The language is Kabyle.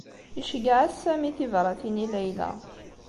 Iceyyeɛ-as Sami tibṛatin i Layla.